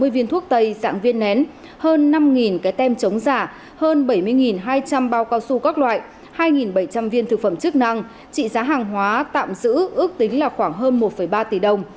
sáu mươi viên thuốc tây dạng viên nén hơn năm cái tem chống giả hơn bảy mươi hai trăm linh bao cao su các loại hai bảy trăm linh viên thực phẩm chức năng trị giá hàng hóa tạm giữ ước tính là khoảng hơn một ba tỷ đồng